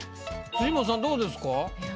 辻元さんどうですか？